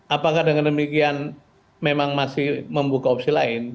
apakah dengan demikian memang masih membuka opsi lain